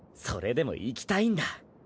それでも行きたいんだ。